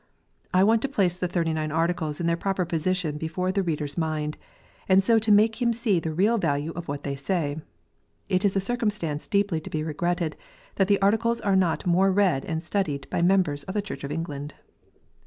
I want to place the Thirty nine Articles in their proper position before the reader s mind, and so to make him see the real value of what they say. It is a circumstance deeply to be regretted that the Articles are not more read and studied by members of the Church of England.